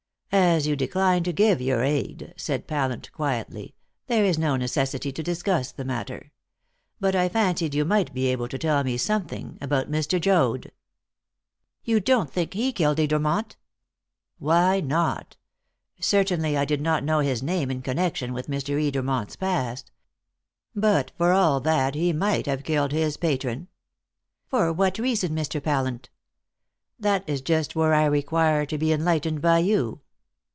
"As you decline to give your aid," said Pallant quietly, "there is no necessity to discuss the matter. But I fancied you might be able to tell me something about Mr. Joad." "You don't think he killed Edermont?" "Why not? Certainly I did not know his name in connection with Mr. Edermont's past. But for all that he might have killed his patron." "For what reason, Mr. Pallant?" "That is just where I require to be enlightened by you."